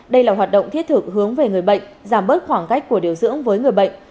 đây là hoạt động thiết thực hướng về người bệnh giảm bớt khoảng cách của điều dưỡng với người bệnh